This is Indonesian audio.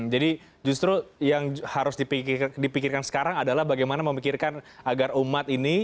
jadi justru yang harus dipikirkan sekarang adalah bagaimana memikirkan agar umat ini